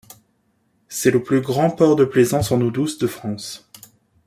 C'est le plus grand port de plaisance en eau douce de France.